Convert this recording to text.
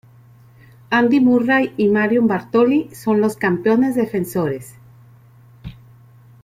Andy Murray y Marion Bartoli son los campeones defensores.